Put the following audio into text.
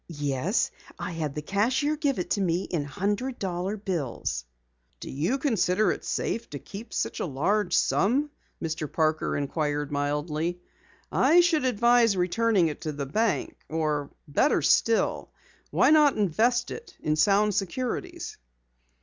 "Yes, I had the cashier give it to me in hundred dollar bills." "Do you consider it safe to keep such a large sum?" Mr. Parker inquired mildly. "I should advise returning it to the bank, or better still, why not invest it in sound securities?"